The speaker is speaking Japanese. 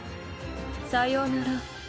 さようなら